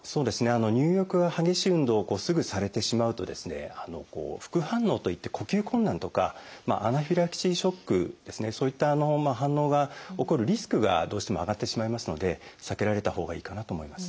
入浴や激しい運動をすぐされてしまうとですね副反応といって呼吸困難とかアナフィラキシーショックですねそういった反応が起こるリスクがどうしても上がってしまいますので避けられたほうがいいかなと思います。